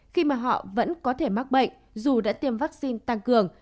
khi mà họ vẫn có thể mắc bệnh dù đã tiêm vaccine tăng cường